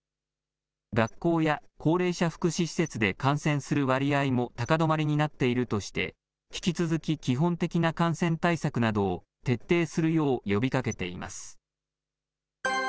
学校や高齢者福祉施設で感染する割合も高止まりになっているとして、引き続き基本的な感染対策などを、徹底するよう呼びかけています。